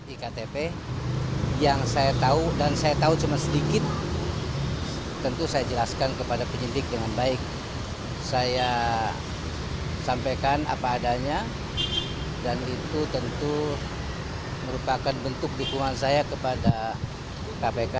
ini merupakan bentuk dukungan saya kepada kpk